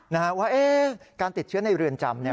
ค่ะ้าว่าการติดเชื้อในเรือนจำ